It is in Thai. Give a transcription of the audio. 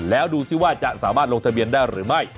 แล้วดูสิว่าจะสามารถลงทะเบียนได้หรือไม่